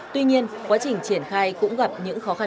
tuy nhiên quá trình triển khai cũng gặp những khó khăn